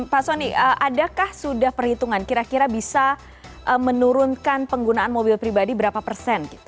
pak soni adakah sudah perhitungan kira kira bisa menurunkan penggunaan mobil pribadi berapa persen